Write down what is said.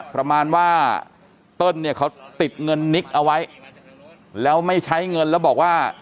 ประมาณว่าเติ้ลเนี่ยเขาติดเงินนิกเอาไว้แล้วไม่ใช้เงินแล้วบอกว่า